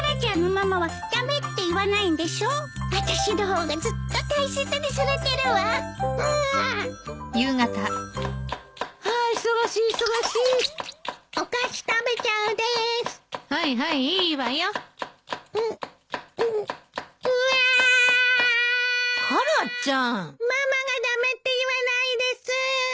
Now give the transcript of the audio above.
ママが駄目って言わないです！